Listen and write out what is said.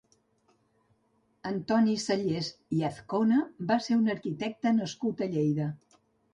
Antoni Cellers i Azcona va ser un arquitecte nascut a Lleida.